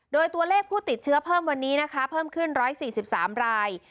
โดยตัวเลขผู้ติดเชื้อเพิ่มวันนี้นะคะเพิ่มขึ้น๑๔๓ราย